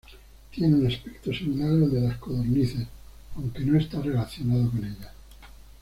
Tienen un aspecto similar al de las codornices, aunque no están relacionados con ellas.